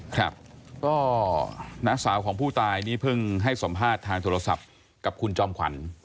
ครับก็น้าสาวของผู้ตายนี่เพิ่งให้สัมภาษณ์ทางโทรศัพท์กับคุณจอมขวัญ